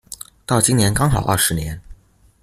到今年剛好二十年